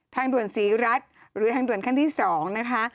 ทางด่วนศรีรัฐหรือทางด่วนขั้นที่๒นะคะ